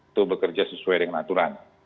itu bekerja sesuai dengan aturan